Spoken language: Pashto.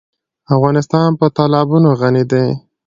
افغانستان په تالابونه غني دی.